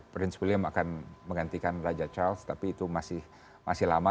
prince william akan menggantikan raja charles tapi itu masih lama